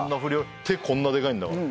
手こんなでかいんだから。